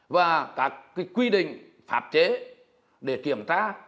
và các cái quy định phạp chế để kiểm tra